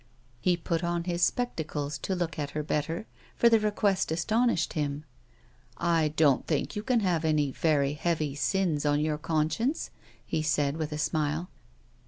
He put on his spectacles to look at her better, for the A WOMAN'S LIFE. 165 request astonished him. " I don't think you can have any very heavy sins on your conscience," he said, with a smile.